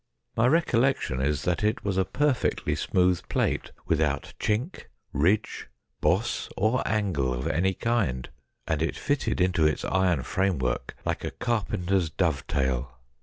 My recollection is that it was a perfectly smooth plate, without chink, ridge, boss, or angle of any kind, and it fitted into its iron framework like a carpenter's dovetail.